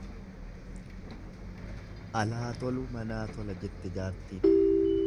Alaa tolu manaa tola jette jaartiin.